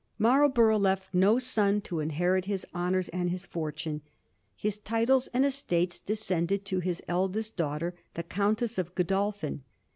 Marlborough left no son to inherit his honours and his fortune. His titles and estates descended to his eldest daughter, the Countess of Godolphin.